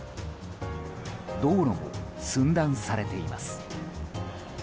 道路も寸断されています。